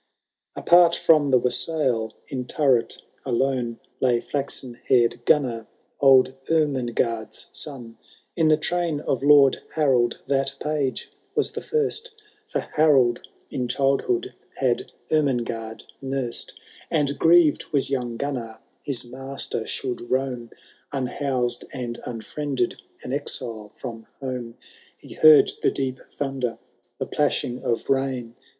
XIV. Apart from the wassail, in turret alone, Lay flaxen hair'd Gimnar, old Ermengarde's son ; 126 HAROLD THB DAUNTLBS8. CatUo /. In the train of Lord Harold that Page was the first, For Harold in childhood had Ermengarde nursed ; And grieved was young Gunnar his master should roam, Unhoused and unfriended, an exile from home. He heard the deep thunder, the plashing of rain.